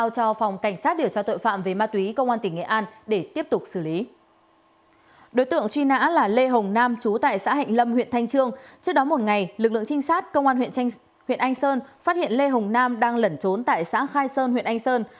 trước đó một ngày lực lượng trinh sát công an huyện anh sơn phát hiện lê hồng nam đang lẩn trốn tại xã khai sơn huyện anh sơn